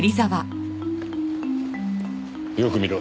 よく見ろ。